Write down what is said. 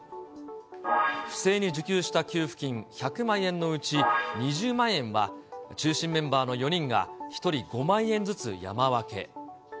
不正に受給した給付金１００万円のうち２０万円は、中心メンバーの４人が、１人５万円ずつ山分け。